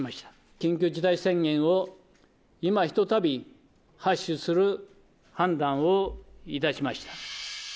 緊急事態宣言をいまひとたび発出する判断をいたしました。